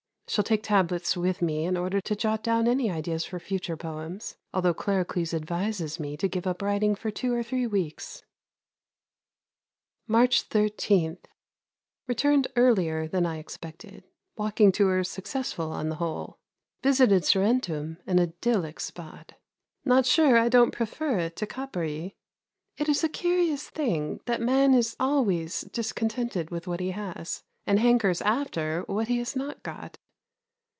Shall take tablets with me in order to jot down any ideas for future poems, although Claricles advises me to give up writing for two or three weeks. March 13. Returned earlier than I expected. Walking tour successful on the whole. Visited Sorrentum, an idyllic spot. Not sure I don't prefer it to Capreæ. It is a curious thing that man is always discontented with what he has, and hankers after what he has not got.